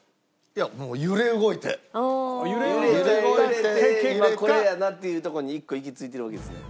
揺れて揺れて今これやなっていうとこに１個行き着いているわけですね。